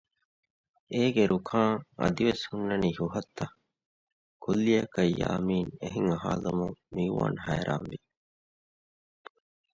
އެގޭ ރުކާން އަދިވެސް ހުންނަނީ ހުހަށްތަ؟ ކުއްލިއަކަށް ޔާމިން އެހެން އަހާލުމުން މިއުވާން ހައިރާންވި